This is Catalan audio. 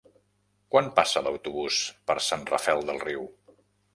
Quan passa l'autobús per Sant Rafel del Riu?